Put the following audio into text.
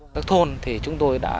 đất thôn thì chúng tôi đã